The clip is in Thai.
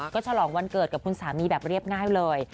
ก็ฉลองวันเกิดกับคุณสามีแบบเรียบง่ายเลย